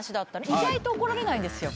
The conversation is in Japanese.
意外と怒られないんですよ。